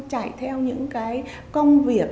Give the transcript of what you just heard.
chạy theo những cái công việc